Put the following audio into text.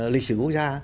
lịch sử quốc gia